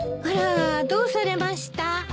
あらどうされました？